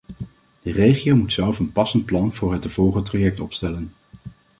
De regio moet zelf een passend plan voor het te volgen traject opstellen.